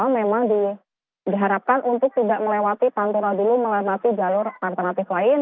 memang diharapkan untuk tidak melewati pantura dulu melewati jalur alternatif lain